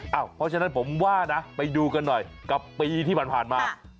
เพราะฉะนั้นผมว่านะไปดูกันหน่อยกับปีที่ผ่านมา